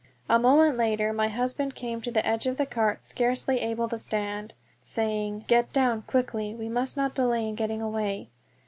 A moment later my husband came to the edge of the cart scarcely able to stand, saying, "Get down quickly; we must not delay in getting away."